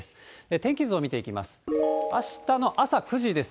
天気図を見ていきます。